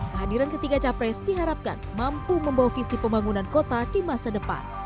kehadiran ketiga capres diharapkan mampu membawa visi pembangunan kota di masa depan